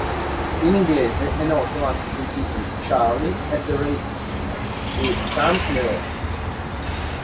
In inglese è noto anche coi titoli "Charlie at the Races" e "Some Nerve".